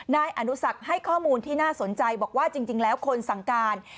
นายอนุสักให้ข้อมูลที่น่าสนใจบอกว่าจริงแล้วคนสั่งการ